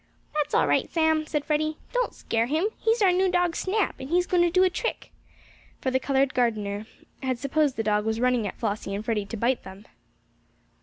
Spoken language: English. "That's all right, Sam," said Freddie. "Don't scare him. He's our new dog Snap, and he's going to do a trick," for the colored gardener had supposed the dog was running at Flossie and Freddie to bite them.